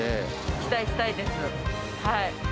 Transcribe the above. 期待したいです！